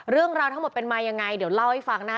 เรื่องราวทั้งหมดเป็นมายังไงเดี๋ยวเล่าให้ฟังนะฮะ